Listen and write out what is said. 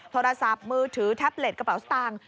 โทรศัพท์มือถือแท็บเล็ตกระเป๋าสตางค์